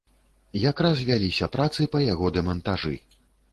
Якраз вяліся працы па яго дэмантажы.